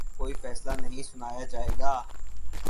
کوئی فیصلہ نہیں سنایا جائے گا